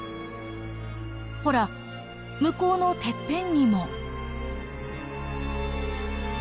ほら向こうのてっぺんにも。